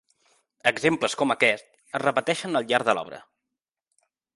Exemples com aquest es repeteixen al llarg de l'obra.